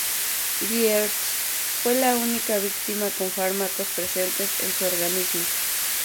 Byers fue la única víctima con fármacos presentes en su organismo.